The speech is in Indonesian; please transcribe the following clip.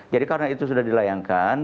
jadi karena itu sudah dilayangkan